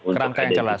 kerangka yang jelas